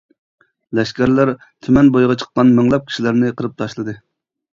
لەشكەرلەر تۈمەن بويىغا چىققان مىڭلاپ كىشىلەرنى قىرىپ تاشلىدى.